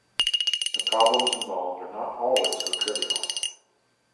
The problems involved are not always so trivial.